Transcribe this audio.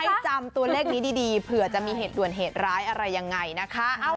จำตัวเลขนี้ดีเผื่อจะมีเหตุด่วนเหตุร้ายอะไรยังไงนะคะ